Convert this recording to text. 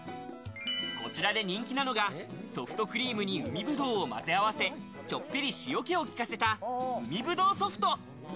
こちらで人気なのが、ソフトクリームに海ブドウを混ぜ合わせ、ちょっぴり塩気をきかせた海ぶどうソフト。